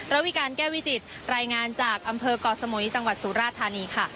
ราวิการแก้วิจิตรรายงานจากอำเภอกอสมุยตสุราธารณีค่ะ